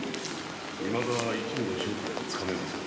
いまだ一味の正体はつかめません。